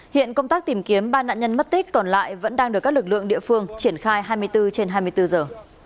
hiện công tác tìm kiếm ba nạn nhân mất tích còn lại vẫn đang được các lực lượng địa phương triển khai hai mươi bốn trên hai mươi bốn giờ